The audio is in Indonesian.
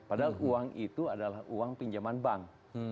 padahal uang itu adalah uang pinjaman bank